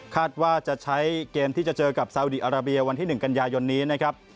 ว่าจะใช้เกมที่จะเจอกับสาวดีอาราเบียวันที่๑กันยายนนี้นะครับ